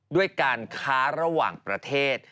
ด้วยการค้าระหว่างประเทศ